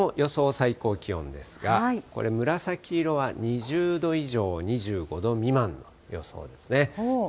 最高気温ですが、これ、紫色は２０度以上２５度未満の予想ですね。